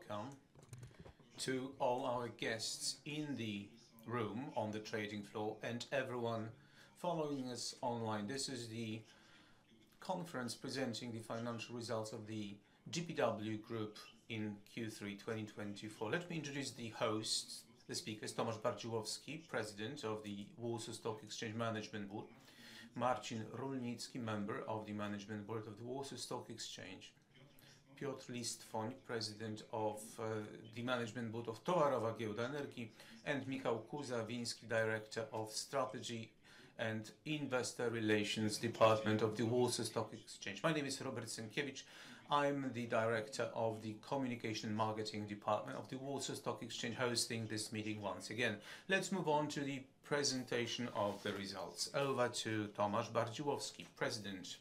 Good morning and welcome to all our guests in the room on the trading floor and everyone following us online. This is the conference presenting the financial results of the GPW Group in Q3 2024. Let me introduce the host, the speakers, Tomasz Bardziłowski, President of the Management Board of the Warsaw Stock Exchange, Marcin Rulnicki, Member of the Management Board of the Warsaw Stock Exchange, Piotr Listwoń, President of the Management Board of Towarowa Giełda Energii, and Michał Kułakowski, Director of Strategy and Investor Relations Department of the Warsaw Stock Exchange. My name is Robert Sienkiewicz. I'm the director of the Communication and Marketing Department of the Warsaw Stock Exchange hosting this meeting once again. Let's move on to the presentation of the results. Over to Tomasz Bardziłowski, President.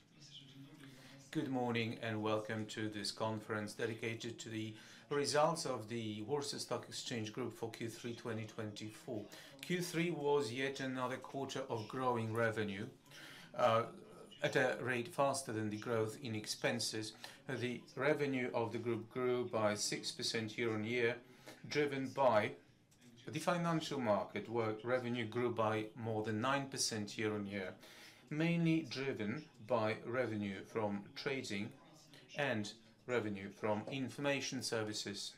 Good morning and welcome to this conference dedicated to the results of the Warsaw Stock Exchange Group for Q3 2024. Q3 was yet another quarter of growing revenue at a rate faster than the growth in expenses. The revenue of the group grew by 6% year on year, driven by the financial market where revenue grew by more than 9% year on year, mainly driven by revenue from trading and revenue from information services.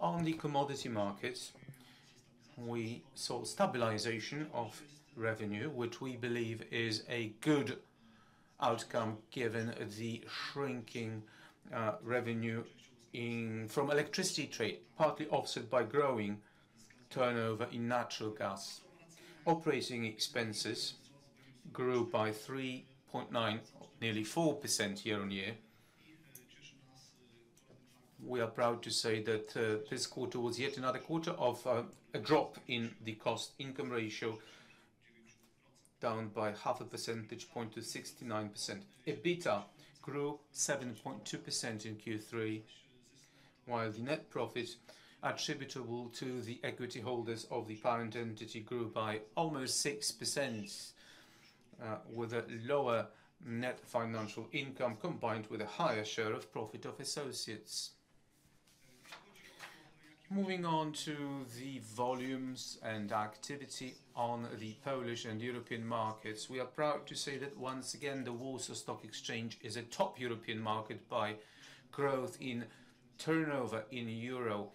On the commodity markets we saw stabilization of revenue, which we believe is a good outcome given the shrinking revenue from electricity trade, partly offset by growing turnover in natural gas. Operating expenses grew by 3.9% nearly 4% year on year. We are proud to say that this quarter was yet another quarter of a drop in the cost income ratio, down by half a percentage point to 69%. EBITDA grew 7.2% in Q3, while the net profit attributable to the equity holders of the parent entity grew by almost 6% with a lower net financial income combined with a higher share of profit of associates moving on to the volumes and activity on the Polish and European markets. We are proud to say that once again the Warsaw Stock Exchange is a top European market by growth in turnover in euro,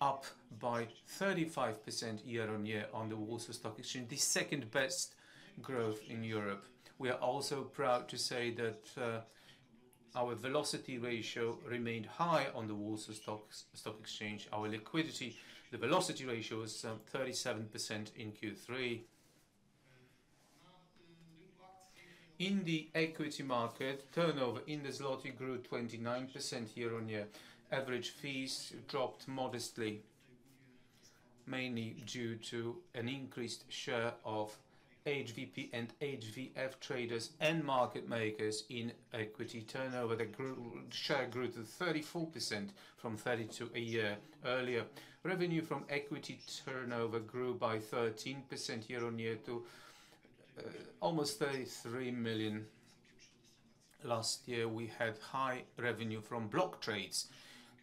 up by 35% year on year on the Warsaw Stock Exchange, the second best growth in Europe. We are also proud to say that our velocity ratio remained high on the Warsaw Stock Exchange. Our liquidity, the velocity ratio, was 37% in Q3. In the equity market, turnover in the zloty grew 29% year on year. Average fees dropped modestly, mainly due to an increased share of HVP and HVF traders and market makers. In equity turnover, the share grew to 34% from 32% a year earlier. Revenue from equity turnover grew by 13% year on year to almost 33 million. Last year we had high revenue from block trades,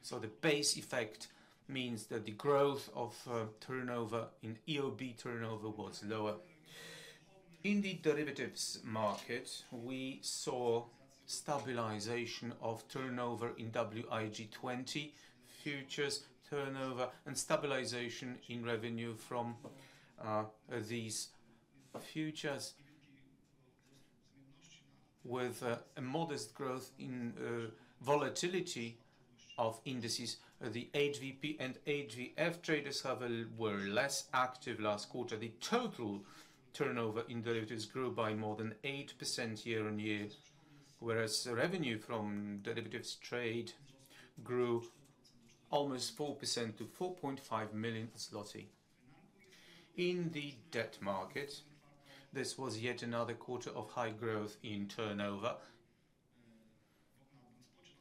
so the base effect means that the growth of turnover in EOB turnover was lower. In the derivatives market, we saw stabilization of turnover in WIG20 futures, turnover and stabilization in revenue from these futures, with a modest growth in volatility of indices. The HVP and HVF traders, however, were less active last quarter. The total turnover in derivatives grew by more than 8% year on year, whereas revenue from derivatives trade grew almost 4% to 4.5 million zloty in the debt market. This was yet another quarter of high growth in turnover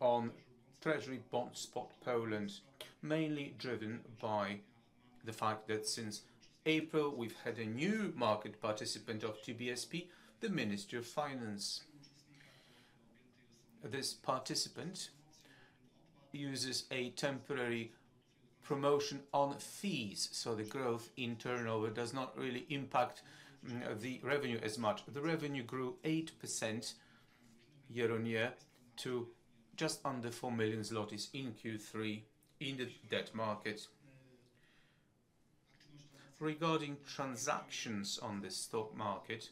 on Treasury BondSpot Poland, mainly driven by the fact that since April we've had a new market participant of TBSP, the Ministry of Finance. This participant uses a temporary promotion on fees, so the growth in turnover does not really impact the revenue as much. The revenue grew 8% year on year to just under 4 million zlotys in Q3 in the debt market. Regarding transactions on the stock market,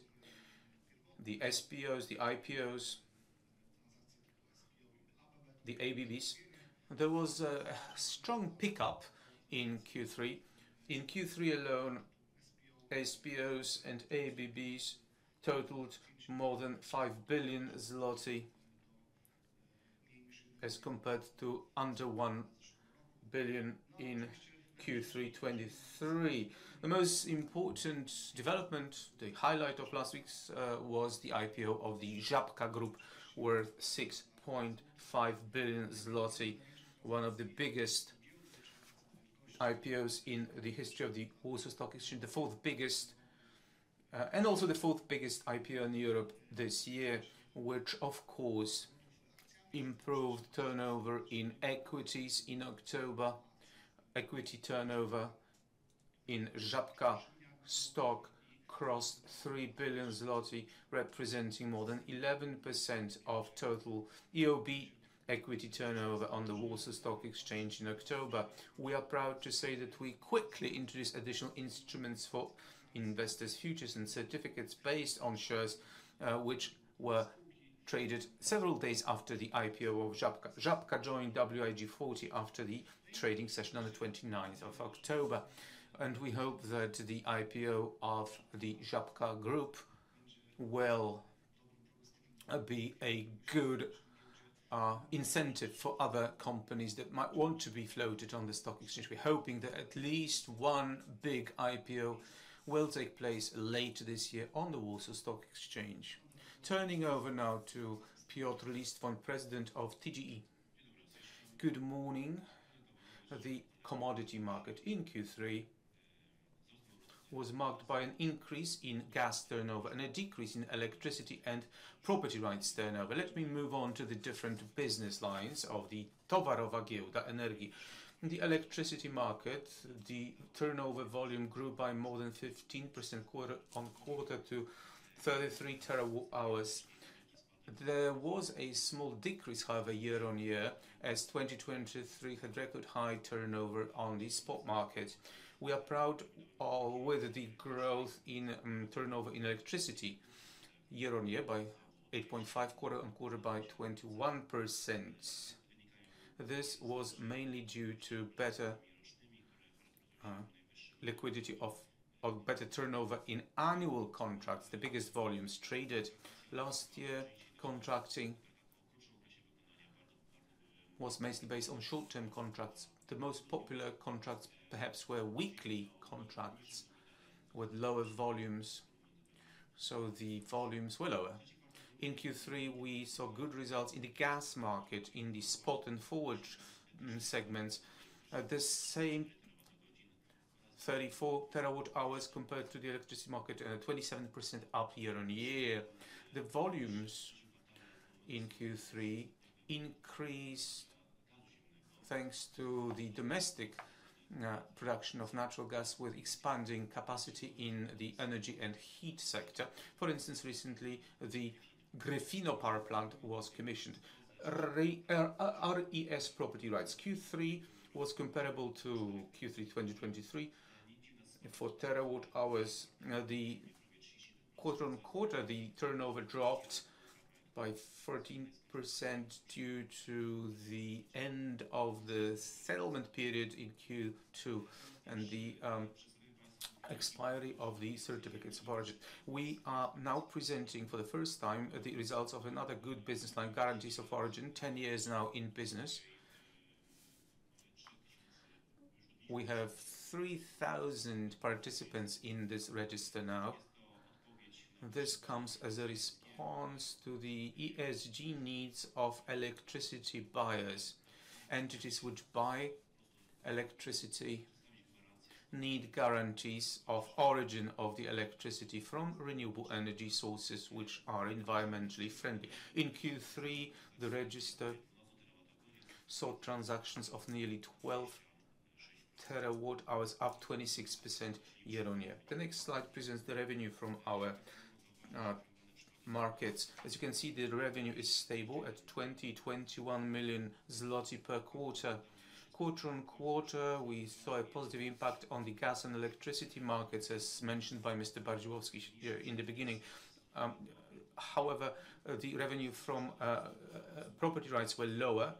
the SPOs, the IPOs, the ABBs, there was a strong pickup in Q3. In Q3 alone, SPOs and ABBs totaled more than 5 billion zloty as compared to under 1 billion PLN in Q3 2023. The most important development, the highlight of last week was the IPO of the Żabka Group, worth 6.5 billion zloty, one of the biggest IPOs in the history of the Warsaw Stock Exchange. The fourth biggest and also the fourth biggest IPO in Europe this year, which of course improved turnover in equities. In October, equity turnover in Żabka stock crossed 3 billion zloty, representing more than 11% of total EOB equity turnover on the Warsaw Stock Exchange in October. We are proud to say that we quickly introduced additional instruments for investors. Futures and certificates based on shares which were traded several days after the IPO of Żabka. Żabka joined WIG 40 after the trading session on 29 October. And we hope that the IPO of the Żabka Group will be a good incentive for other companies that might want to be floated on the stock exchange. We're hoping that at least one big IPO will take place later this year. The Warsaw Stock Exchange. Turning over now to Piotr Listwoń, President of TGE. Good morning. The commodity market in Q3 was marked by an increase in gas turnover and a decrease in electricity and Property Rights turnover. Let me move on to the different business lines of the Towarowa Giełda Energii. In the electricity market, the turnover volume grew by more than 15% quarter on quarter to 33 terawatt hours. There was a small decrease, however, year on year as 2023 had record high turnover on the spot market. We are proud with the growth in turnover in electricity year on year by 8.5% quarter on quarter by 21%. This was mainly due to better liquidity or better turnover in annual contracts. The biggest volumes traded last year. Contracting was mainly based on short-term contracts. The most popular contracts perhaps were weekly contracts with lower volumes, so the volumes were lower in Q3. We saw good results in the gas market in the spot and forward segments, the same 34 terawatt hours compared to the electricity market, 27% up year on year. The volumes in Q3 increased thanks to the domestic production of natural gas with expanding capacity in the energy and heat sector. For instance, recently the Gryfino power plant was commissioned, RES Property Rights. Q3 was comparable to Q3 2023 for terawatt hours. The quarter on quarter, the turnover dropped by 13% due to the end of the settlement period in Q2 and the expiry of the Certificates of Origin. We are now presenting for the first time the results of another good business line, Guarantees of Origin. For ten years now, we have 3,000 participants in this register now. This comes as a response to the ESG needs of electricity buyers. Entities which buy electricity need guarantees of origin of the electricity from renewable energy sources which are environmentally friendly. In Q3, the register sold transactions of nearly 12 TWh, up 26% year on year. The next slide presents the revenue from our markets. As you can see, the revenue is stable at 202.1 million zloty per quarter, quarter on quarter. We saw a positive impact on the gas and electricity markets as mentioned by Mr. Bardziłowski. In the beginning, however, the revenue from property rights were lower.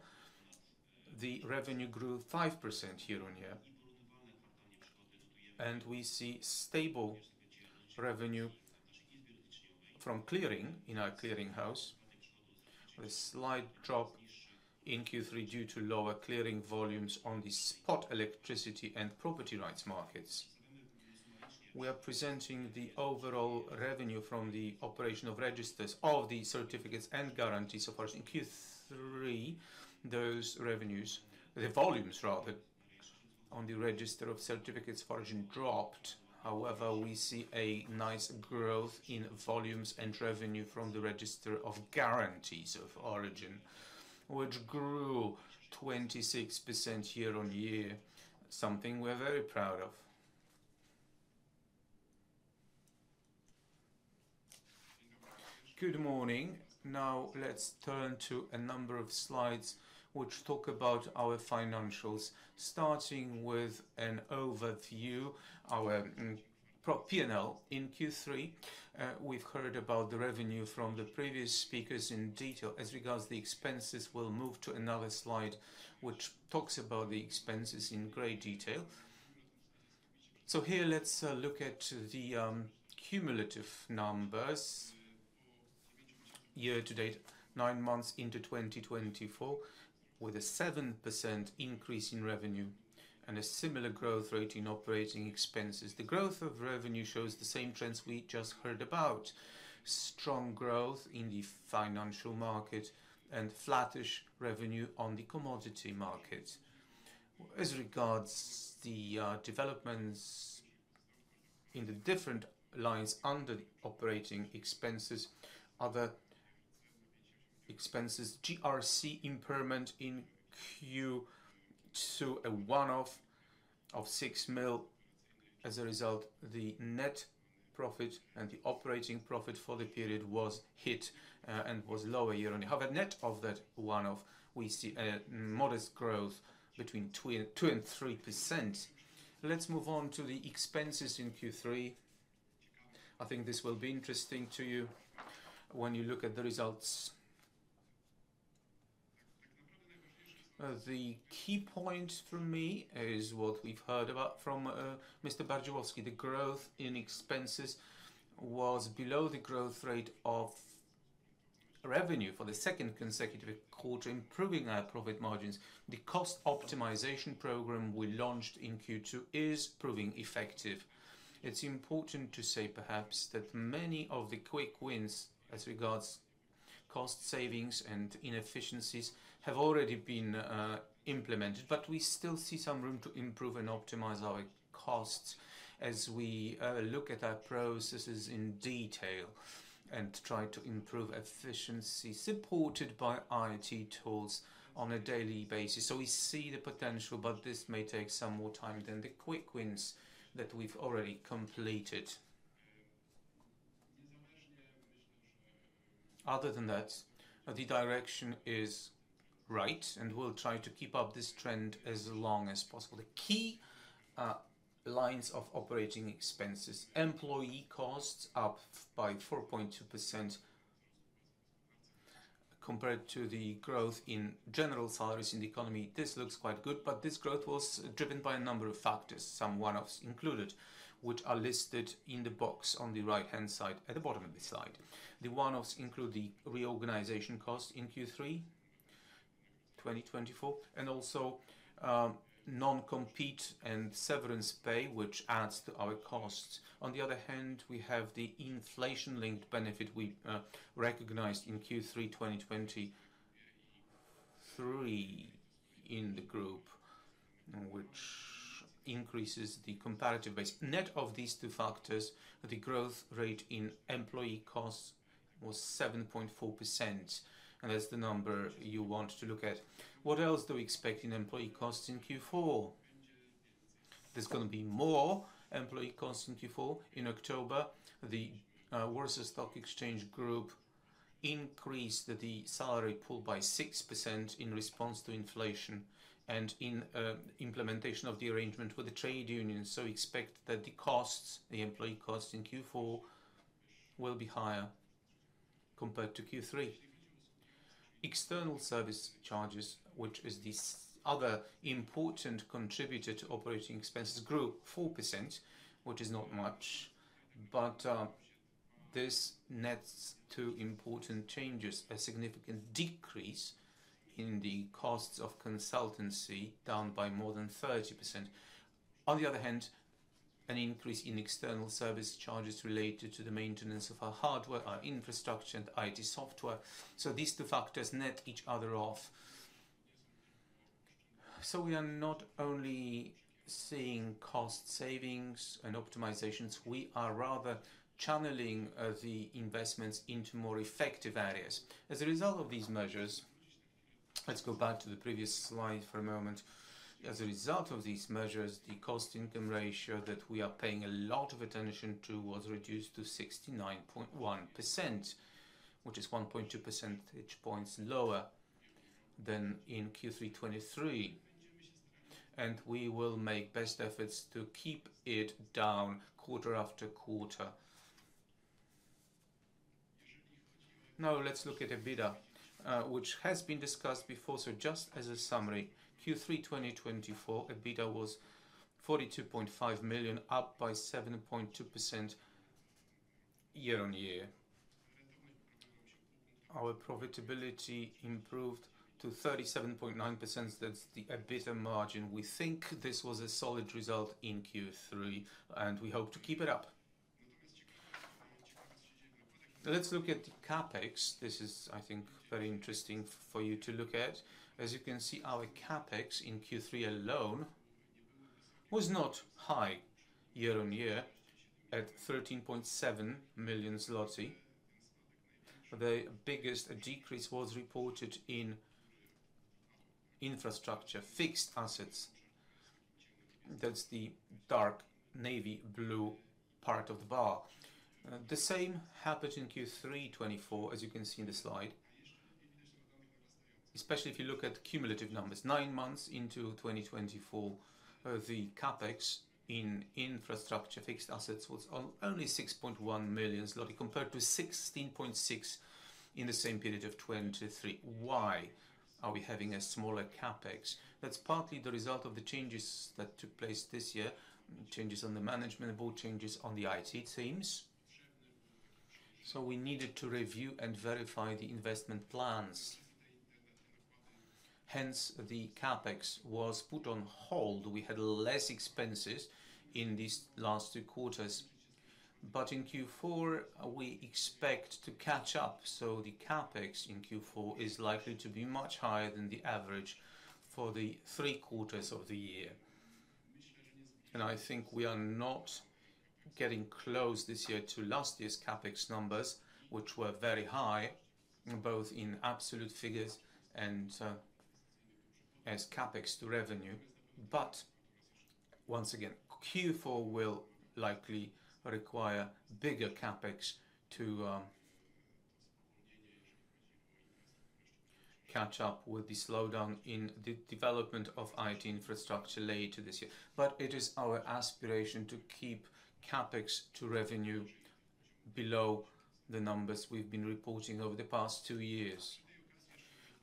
The revenue grew 5% year on year, and we see stable revenue from clearing in our clearinghouse, a slight drop in Q3 due to lower clearing volumes on the spot electricity and property rights markets. We are presenting the overall revenue from the operation of registers of the certificates and guarantees of Origin. In Q3, those revenues, the volumes rather on the register of certificates of origin dropped. However, we see a nice growth in volumes and revenue from the register of Guarantees of Origin, which grew 26% year on year, something we're very proud of. Good morning. Now let's turn to a number of slides which talk about our financials. Starting with an overview our P and L. In Q3 we've heard about the revenue from the previous speakers in detail. As regards the expenses, we'll move to another slide which talks about the expenses in great detail. So here let's look at the cumulative numbers year to date. Nine months into 2024, with a 7% increase in revenue and a similar growth rate in operating expenses. The growth of revenue shows the same trends we just heard about strong growth in the financial market and flattish revenue on the commodity market. As regards the developments in the different lines under operating expenses, other expenses, GRC impairment due to a one-off of 6 million. As a result, the net profit and the operating profit for the period was hit and was lower year on year. Net of that one-off, we see a modest growth between 2% and 3%. Let's move on to the expenses in Q3. I think this will be interesting to you when you look at the results. The key point for me is what we've heard about from Mr. Bardziłowski. The growth in expenses was below the growth rate of revenue for the second consecutive quarter. Improving our profit margins. The cost optimization program we launched in Q2 is proving effective. It's important to say perhaps that many of the quick wins as regards cost savings and inefficiencies have already been implemented. But we still see some room to improve and optimize our costs as we look at our processes in detail and try to improve efficiency supported by IoT tools on a daily basis. So we see the potential. But this may take some more time than the quick wins that we've already completed. Other than that, the direction is right and we'll try to keep up this trend as long as possible. The key lines of operating expenses: employee costs up by 4.2%. Compared to the growth in general salaries in the economy, this looks quite good. But this growth was driven by a number of factors, some one-offs included, which are listed in the box on the right-hand side at the bottom of the slide. The one-offs include the reorganization cost in Q3 2024 and also non-compete and severance pay, which adds to our costs. On the other hand, we have the inflation-linked benefit we recognized in Q3 2023 in the group, which increases the comparative base net of these two factors. The growth rate in employee costs was 7.4% and that's the number you want to look at. What else do we expect in employee costs in Q4? There's going to be more employee cost in Q4. In October, the Warsaw Stock Exchange Group increased the salary pool by 6% in response to inflation and in implementation of the arrangement with the trade union, so expect that the costs, the employee costs in Q4, will be higher compared to Q3. External service charges, which is the other important contributor to operating expenses, grew 4%, which is not much, but this nets two important changes. A significant decrease in the costs of consultancy, down by more than 30%, on the other hand, an increase in external service charges related to the maintenance of our hardware, our infrastructure, and IT software, so these two factors net each other off, so we are not only seeing cost savings and optimizations, we are rather channeling the investments into more effective areas as a result of these measures. Let's go back to the previous slide for a moment. As a result of these measures, the cost income ratio that we are paying a lot of attention to was reduced to 69.1%, which is 1.2 percentage points lower than in Q3 2023, and we will make best efforts to keep it down quarter after quarter. Now let's look at EBITDA, which has been discussed before. So, just as a summary, Q3 2024 EBITDA was 42.5 million, up by 7.2%. Year on year, our profitability improved to 37.9%. That's the EBITDA margin. We think this was a solid result in Q3, and we hope to keep it up. Let's look at the CapEx. This is, I think, very interesting for you to look at. As you can see, our CapEx in Q3 alone was not high year on year at 13.7 million zloty. The biggest decrease was reported in infrastructure fixed assets. That's the dark navy blue part of the bar. The same happens in Q3 2024 as you can see in the slide, especially if you look at cumulative numbers. Nine months into 2024, the CapEx in infrastructure fixed assets was only 6.1 million zloty compared to 16.6 million in the same period of 2023. Why are we having a smaller CapEx? That's partly the result of the changes that took place this year. Changes in the management, overall changes in the. It seems, so we needed to review and verify the investment plans. Hence the CapEx was put on hold. We had less expenses in these last two quarters, but in Q4 we expect to catch up. So the CapEx in Q4 is likely to be much higher than the average for the three quarters of the year. I think we are not getting close this year to last year's CapEx numbers, which were very high both in absolute figures and as CapEx to revenue. Once again, Q4 will likely require bigger CapEx to catch up with the slowdown in the development of IT infrastructure later this year. It is our aspiration to keep CapEx to revenue below the numbers we've been reporting over the past two years.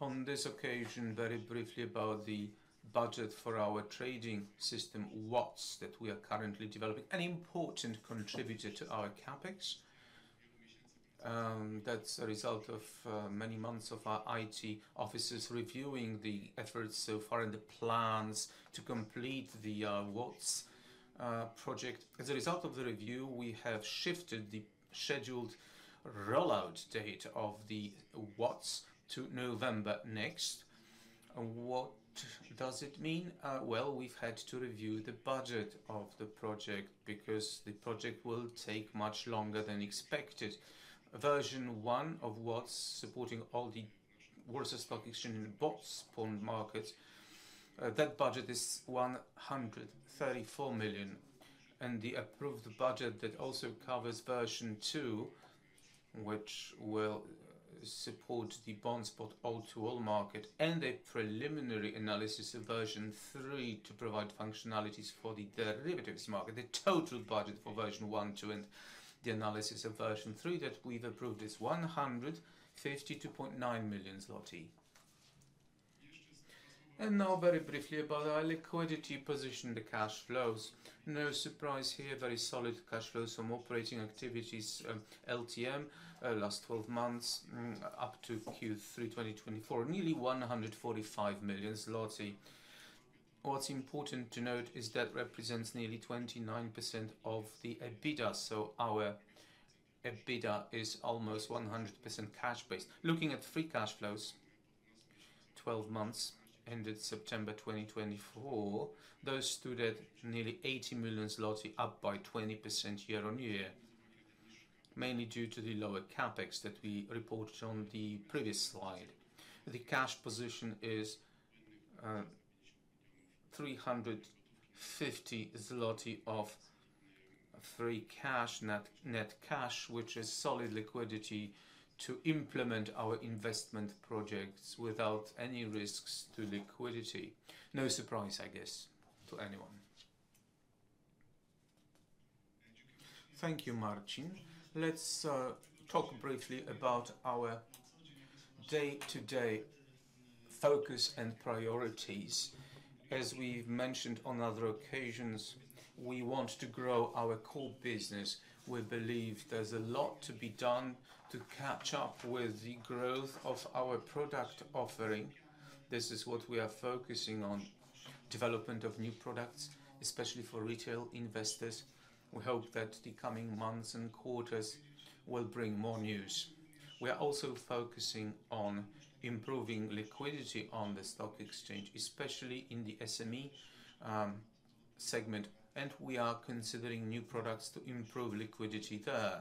On this occasion, very briefly about the budget for our trading system WATS that we are currently developing, an important contributor to our CapEx. That's a result of many months of our IT officers reviewing the efforts so far in the plans to complete the WATS project. As a result of the review, we have shifted the scheduled rollout date of the WATS to November next. What does it mean? We've had to review the budget of the project because the project will take much longer than expected. Version 1 of WATS supporting AMX Stock Exchange in the BondSpot market. That budget is 134 million. The approved budget that also covers version two which will support the BondSpot, ATO all market and a preliminary analysis of version three to provide functionalities for the derivatives market. The total budget for version 1.2 and the analysis of version 3 that we've approved is 152.9 million zloty. Now very briefly about our liquidity position. The cash flows, no surprise here, very solid cash flows from operating activities LTM last 12 months up to Q3 2024, nearly 145 million zloty. What's important to note is that represents nearly 29% of the EBITDA. Our EBITDA is almost 100% cash based. Looking at free cash flows 12 months ended September 2024, those stood at nearly 80 million zloty, up by 20% year on year mainly due to the lower CapEx that we reported on the previous slide. The cash position is 350 million zloty of free cash net cash, which is solid liquidity to implement our investment projects without any risks to liquidity. No surprise I guess to anyone. Thank you Marcin. Let's talk briefly about our day to day focus and priorities. As we mentioned on other occasions, we want to grow our core business. We believe there's a lot to be done to catch up with the growth of our product offering. This is what we are focusing on, development of new products, especially for retail investors. We hope that the coming months and quarters will bring more news. We are also focusing on improving liquidity on the stock exchange, especially in the SME segment, and we are considering new products to improve liquidity there.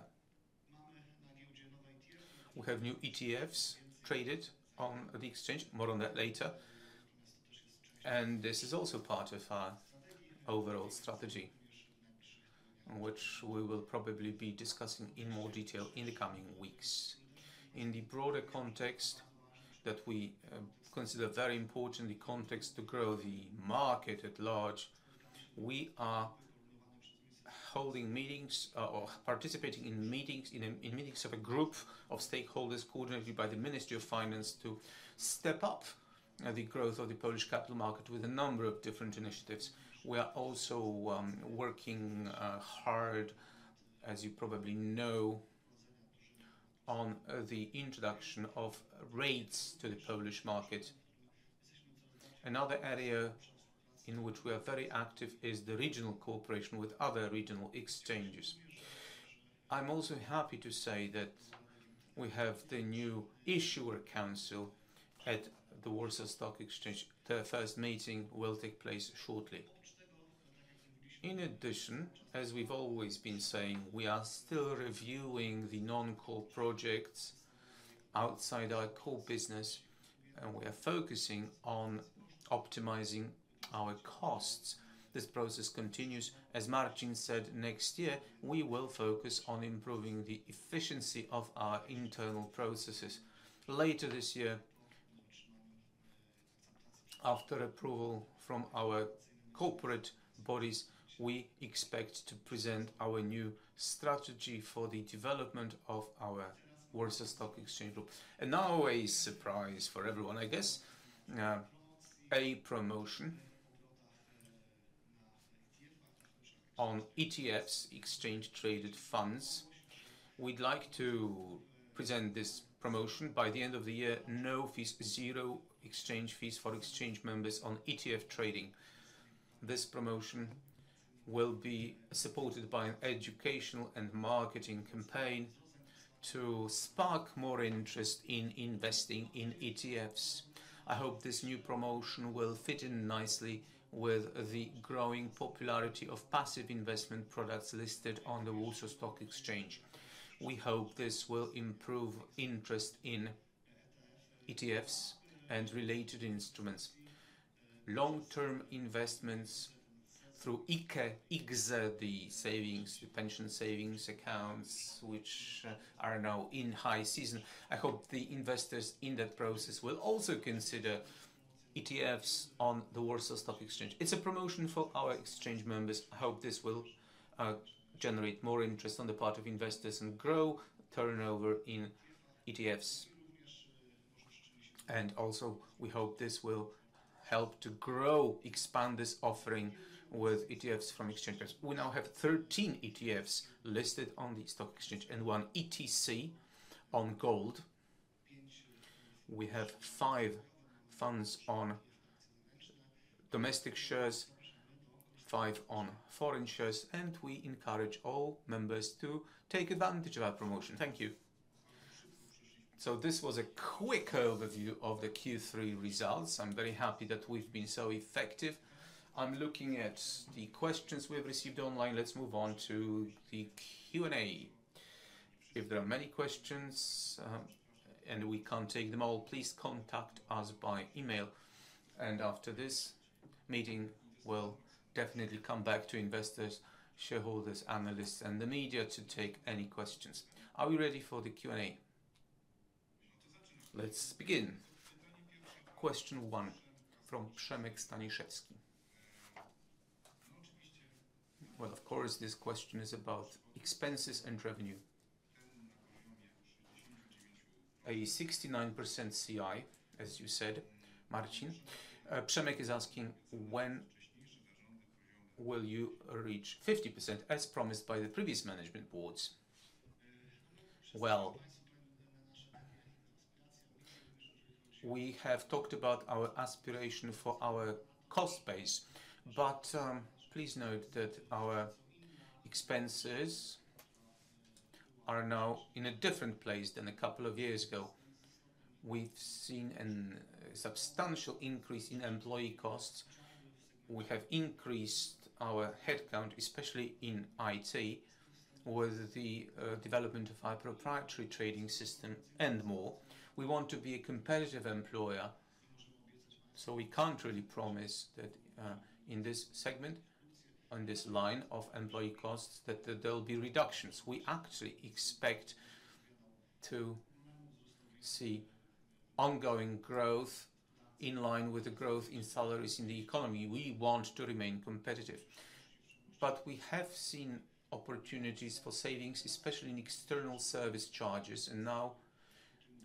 We have new ETFs traded on the exchange. More on that later, and this is also part of our overall strategy which we will probably be discussing in more detail in the coming weeks in the broader context that we consider very important, the context to grow the market at large. We are holding meetings or participating in meetings of a group of stakeholders coordinated by the Ministry of Finance to step up the growth of the Polish capital market with a number of different initiatives. We are also working hard, as you probably know, on the introduction of REITs to the Polish market. Another area in which we are very active is the regional cooperation with other regional exchanges. I'm also happy to say that we have the new Issuer Council at the Warsaw Stock Exchange. The first meeting will take place shortly. In addition, as we've always been saying, we are still reviewing the non core projects outside our core business and we are focusing on optimizing our costs. This process continues as Marcin said. Next year we will focus on improving the efficiency of our internal processes. Later this year, after approval from our corporate bodies, we expect to present our new strategy for the development of our Warsaw Stock Exchange Group. And now a surprise for everyone. I guess a promotion on ETFs exchange traded funds. We'd like to present this promotion by the end of the year. No fees. Zero exchange fees for exchange members on ETF trading. This promotion will be supported by an educational and marketing campaign to spark more interest in investing in ETFs. I hope this new promotion will fit in nicely with the growing popularity of passive investment products listed on the Warsaw Stock Exchange. We hope this will improve interest in ETFs and related instruments. Long-term investments through IKE, IKZE. The savings, the pension savings accounts which are now in high season. I hope the investors in that process will also consider ETFs on the Warsaw Stock Exchange. It's a promotion for our exchange members. I hope this will generate more interest on the part of investors and grow turnover in ETFs. We hope this will also help to grow this offering with ETFs from exchanges. We now have 13 ETFs listed on the stock exchange and one ETC on gold. We have five funds on domestic shares, five on foreign shares and we encourage all members to take advantage of our promotion. Thank you. So this was a quick overview of the Q3 results. I'm very happy that we've been so effective. I'm looking at the questions we've received online. Let's move on to the Q and A. If there are many questions and we can't take them all, please contact us by email, and after this meeting we will definitely come back to investors, shareholders, analysts and the media to take any questions. Are we ready for the Q and A? Let's begin. Question one from Przemek Staniszewski. Well, of course this question is about expenses and revenue. A 69% CI as you said. Marcin, Przemek is asking when will you reach 50% as promised by the previous management boards. Well, we have talked about our aspiration for our cost base, but please note that our expenses are now in a different place than a couple of years ago. We've seen a substantial increase in employee costs. We have increased our headcount, especially in IT with the development of our proprietary trading system and more. We want to be a competitive employer. So we can't really promise that in this segment on this line of employee costs that there will be reductions. We actually expect to see ongoing growth in line with the growth in salaries in the economy. We want to remain competitive, but we have seen opportunities for savings, especially in external service charges. And now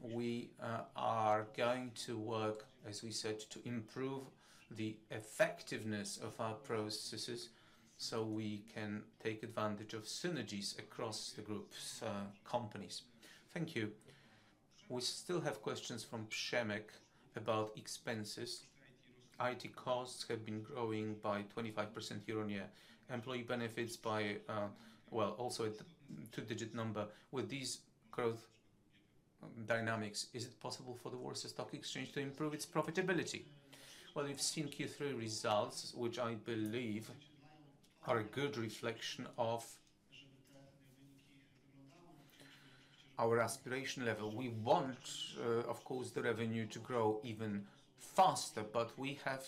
we are going to work, as we said, to improve the effectiveness of our processes so we can take advantage of synergies across the group's companies. Thank you. We still have questions from Przemek about expenses. IT costs have been growing by 25% year on year. Employee benefits by, well, also a two-digit number. With these growth dynamics, is it possible for Warsaw's stock exchange to improve its profitability? You've seen Q3 results, which I believe are a good reflection of our aspiration level. We want of course, the revenue to grow even faster, but we have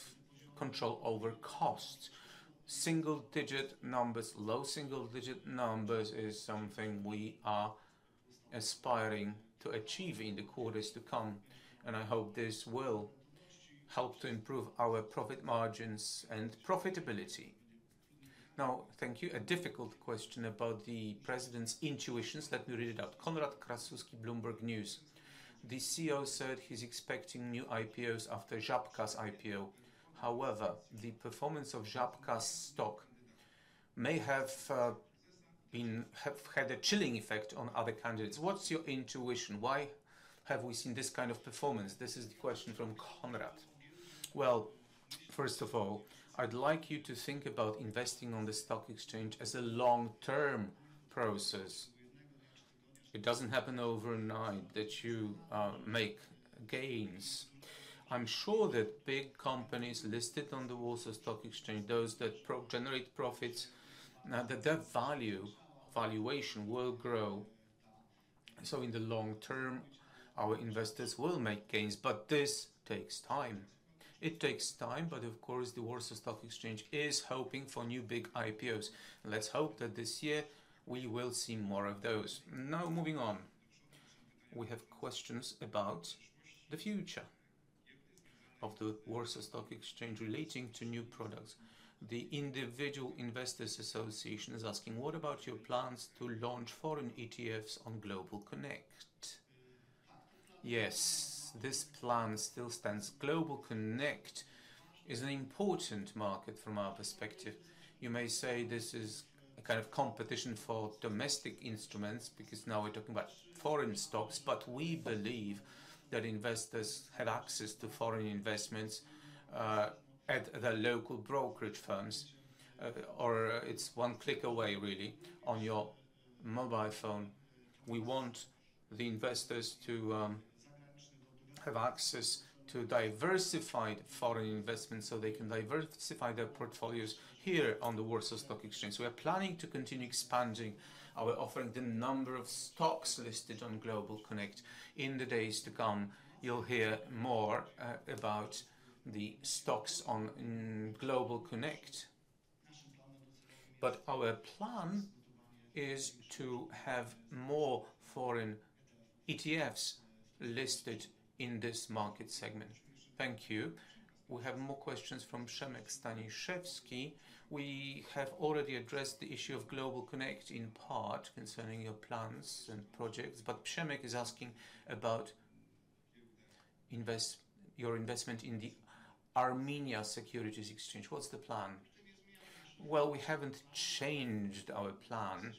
control over cost. Single digit numbers, low single digit numbers is something we are aspiring to achieve in the quarters to come. I hope this will help to improve our profit margins and profitability now. Thank you. A difficult question about the President's intentions. Let me read it out. Konrad Krasuski, Bloomberg News. The CEO said he's expecting new IPOs after Żabka's IPO. However, the performance of Żabka's stock may have had a chilling effect on other candidates. What's your intuition? Why have we seen this kind of performance? This is the question from Konrad. Well, first of all, I'd like you to think about investing on the stock exchange as a long term process. It doesn't happen overnight that you make gains. I'm sure that big companies listed on the Warsaw Stock Exchange, those that generate profits now that their valuation will grow. So in the long term our investors will make gains. But this takes time. It takes time. But of course the Warsaw Stock Exchange is hoping for new big IPOs. Let's hope that this year we will see more of those. Now moving on, we have questions about the future of the Warsaw Stock Exchange relating to new products. The Association of Individual Investors is asking what about your plans to launch foreign ETFs on GlobalConnect. Yes, this plan still stands. GlobalConnect is an important market from our perspective. You may say this is a kind of competition for domestic instruments, because now we're talking about foreign stocks. But we believe that investors had access to foreign investments at their local brokerage firms, or it's one click away really on your mobile phone. We want the investors to have access to diversified foreign investments so they can diversify their portfolios. Here on the Warsaw Stock Exchange, we are planning to continue expanding our offering the number of stocks listed on GlobalConnect. In the days to come, you'll hear more about the stocks on GlobalConnect. But our plan is to have more foreign ETFs listed in this market segment. Thank you. We have more questions from Przemek Staniszewski. We have already addressed the issue of GlobalConnect in part concerning your plans and projects. But Przemek is asking about your investment in the Armenia Securities Exchange. What's the plan? Well, we haven't changed our plan.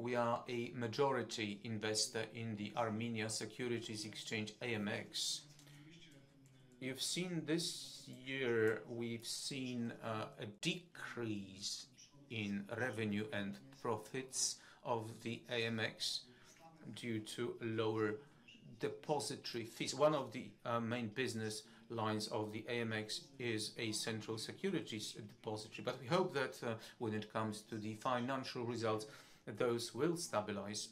We are a majority investor in the Armenia Securities Exchange AMX. You've seen this year we've seen a decrease in revenue and profits of the AMX due to lower depository fees. One of the main business lines of the AMX is a central securities depository. But we hope that when it comes to the financial results, those will stabilize.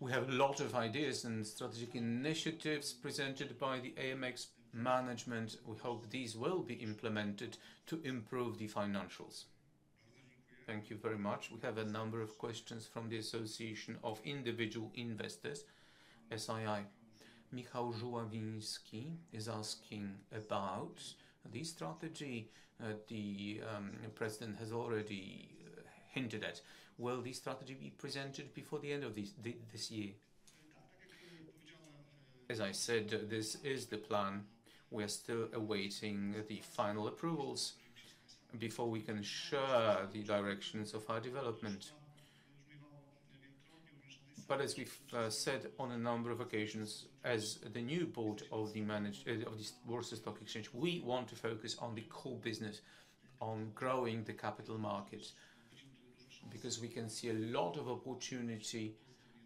We have a lot of ideas and strategic initiatives presented by the AMX management. We hope these will be implemented to improve the financials. Thank you very much. We have a number of questions from the Association of Individual Investors. SII Michał Żuławiński is asking about the strategy the President has already hinted at. Will this strategy be presented before the end of this year? As I said, this is the plan. We are still awaiting the final approvals before we can share the directions of our development. But as we've said on a number of occasions, as the new board of the Warsaw Stock Exchange, we want to focus on the core business, on growing the capital market, because we can see a lot of opportunity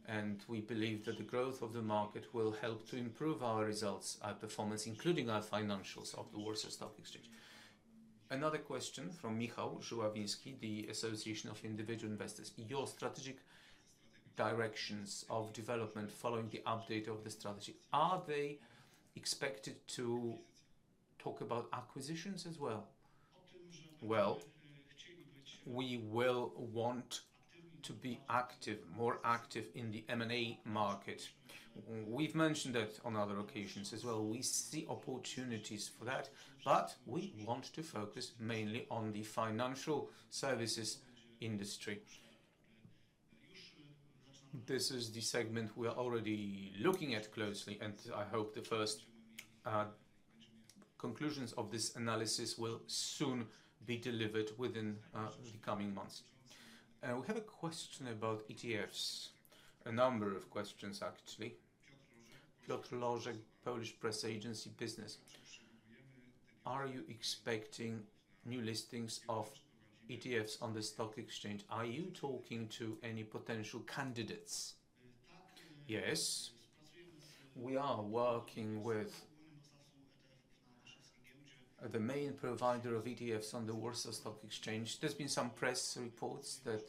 and we believe that the growth of the market will help to improve our results performance, including our financials of the Warsaw Stock Exchange. Another question from Michał Żuławiński, the Association of Individual Investors. Your strategic directions of development following the update of the strategy. Are they expected to talk about acquisitions as well? Well, we will want to be active, more active in the M and A market. We've mentioned that on other occasions as well. We see the opportunities for that. But we want to focus mainly on the financial services industry. This is the segment we are already looking at closely and I hope the first conclusions of this analysis will soon be delivered within the coming months. We have a question about ETFs. A number of questions actually. Polish Press Agency business: Are you expecting new listings of ETFs on the stock exchange? Are you talking to any potential candidates? Yes, we are working with the main provider of ETFs on the Warsaw Stock Exchange. There's been some press reports that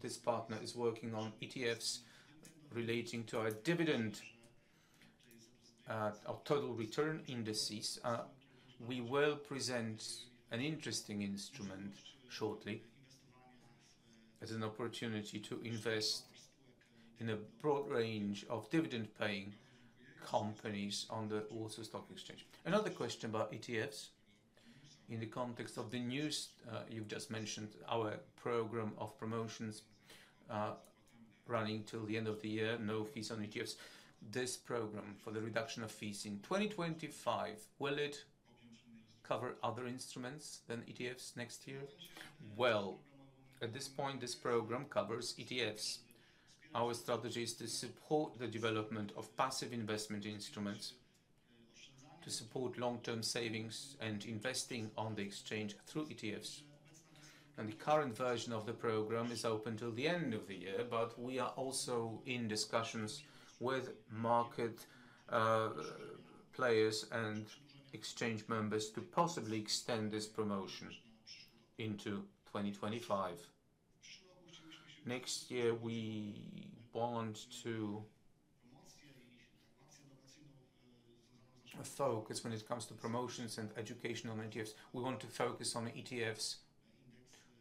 this partner is working on ETFs relating to our dividend or total return indices. We will present an interesting instrument shortly as an opportunity to invest in a broad range of dividend-paying companies on the Warsaw Stock Exchange. Another question about ETFs in the context of the news you've just mentioned, our program of promotions running till the end of the year. No fees on ETFs. This program for the reduction of fees in 2025, will it cover other instruments than ETFs next year? Well, at this point this program covers ETFs. Our strategy is to support the development of passive investment instruments to support long-term savings and investing on the exchange through ETFs. The current version of the program is open till the end of the year. We are also in discussions with market players and exchange members to possibly extend this promotion into 2025 next year. We want to focus when it comes to promotions and educational ETFs. We want to focus on ETFs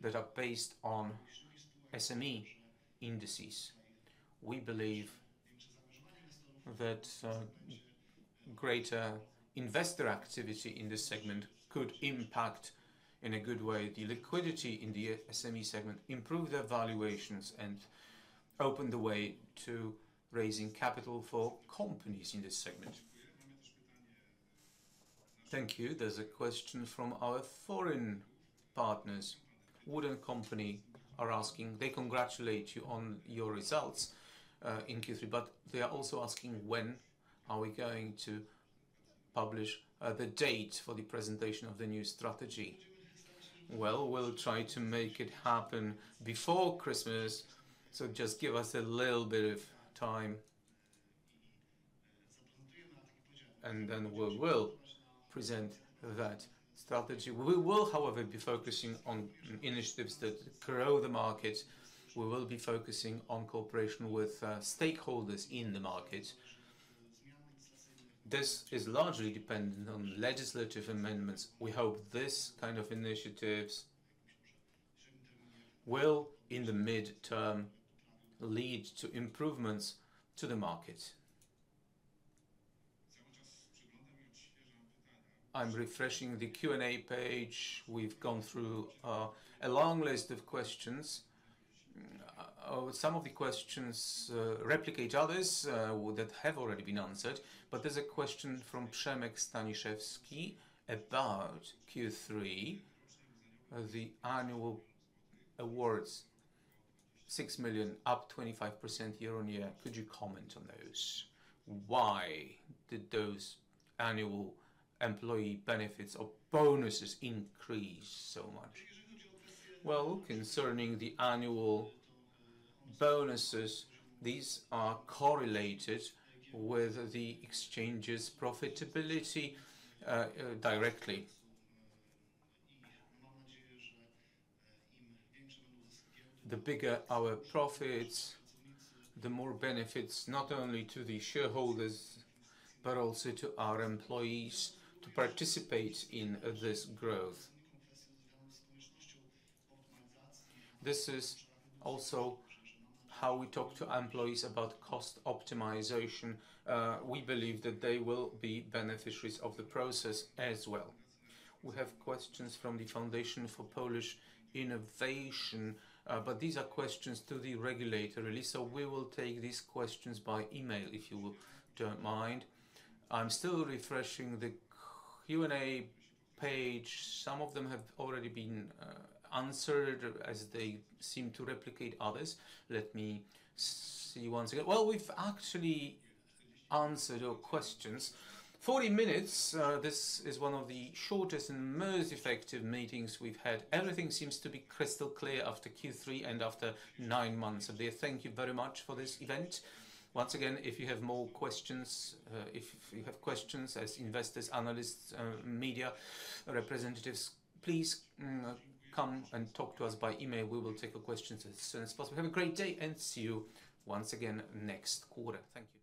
that are based on SME indices. We believe that greater investor activity in this segment could impact in a good way the liquidity in the SME segment, improve their valuations and open the way to raising capital for companies in this segment. Thank you. There's a question from our foreign partners. Wood & Company are asking. They congratulate you on your results in Q3, but they are also asking when are we going to publish the date for the presentation of the new strategy? We'll try to make it happen before Christmas. Just give us a little bit of time and then we will present that strategy. We will, however, be focusing on initiatives that grow the market. We will be focusing on cooperation with stakeholders in the market. This is largely dependent on legislative amendments. We hope this kind of initiatives will in the mid term lead to improvements to the market. I'm refreshing the Q and A page. We've gone through a long list of questions. Some of the questions replicate others that have already been answered. But there's a question from Przemek Staniszewski about Q3, the annual awards 6 million up 25% year on year. Could you comment on those? Why did those annual employee benefits or bonuses increase so much? Well, concerning the annual bonuses, these are correlated with the exchange's profitability directly. The bigger our profits, the more benefits not only to the shareholders but also to our employees to participate in this growth. This is also how we talk to employees about cost optimization. We believe that they will be beneficiaries of the process as well. We have questions from the Foundation for Polish Innovation, but these are questions to the regulator release. So we will take these questions by email if you don't mind. I'm still refreshing the Q&A page. Some of them have already been answered as they seem to replicate others. Let me see once again. We've actually answered your questions. 40 minutes. This is one of the shortest and most effective meetings we've had. Everything seems to be crystal clear after Q3 and after nine months of the thank you very much for this event. Once again, if you have more questions, if you have questions as investors, analysts, media representatives, please come and talk to us by email. We will take your questions as soon as possible. Have a great day and see you once again next quarter. Thank you.